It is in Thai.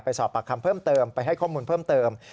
สอบปากคำเพิ่มเติมไปให้ข้อมูลเพิ่มเติม